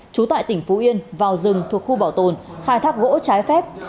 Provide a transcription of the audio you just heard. trú tại tỉnh phú yên vào rừng thuộc khu bảo tồn khai thác gỗ trái phép